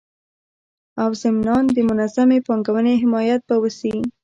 او ضمنان د منظمي پانګوني حمایت به وسي